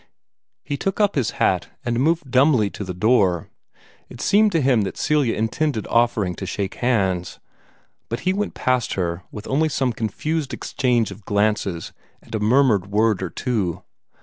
He took up his hat and moved dumbly to the door. It seemed to him that Celia intended offering to shake hands; but he went past her with only some confused exchange of glances and a murmured word or two.